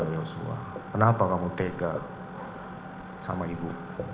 yosua kenapa kamu tega sama ibu